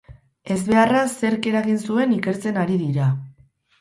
Ezbeharra zerk eragin zuen ikertzen ari dira.